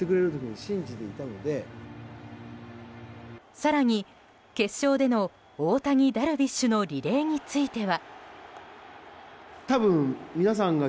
更に、決勝での大谷、ダルビッシュのリレーについては。